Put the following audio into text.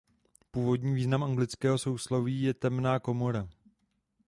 Původní význam anglického sousloví je temná komora.